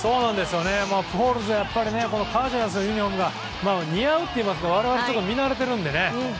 プホルスはカージナルスのユニホームが似合うといいますか我々、見慣れているのでね。